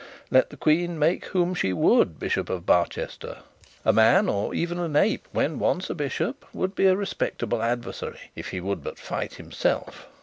Let the Queen make whom she would bishop of Barchester; a man, or even an ape, when once a bishop, would be a respectable adversary, if he would but fight, himself.